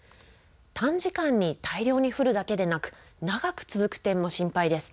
短時間に大量に降るだけでなく長く続く点も心配です。